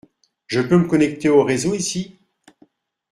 Je peux me connecter au réseau ici ?